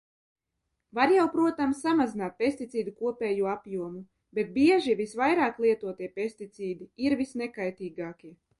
Var jau, protams, samazināt pesticīdu kopējo apjomu, bet bieži visvairāk lietotie pesticīdi ir visnekaitīgākie.